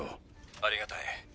ありがたい。